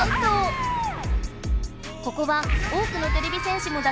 ここは多くのてれび戦士もだ